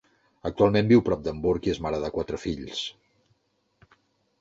Actualment viu prop d'Hamburg i és mare de quatre fills.